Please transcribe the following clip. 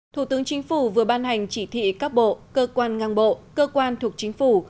thủ tướng chính phủ vừa ban hành chỉ thị các bộ cơ quan ngang bộ cơ quan thuộc chính phủ